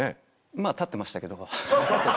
まぁたってましたけど。